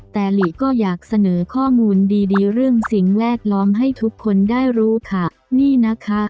แต่หลีก็อยากเสนอข้อมูลดีดีเรื่องสิ่งแวดล้อมให้ทุกคนได้รู้ค่ะนี่นะคะ